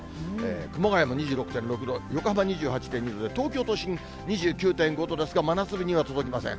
熊谷も２６．６度、横浜２８．２度で、東京都心２９．５度ですが、真夏日には届きません。